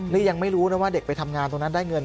นี่ยังไม่รู้นะว่าเด็กไปทำงานตรงนั้นได้เงิน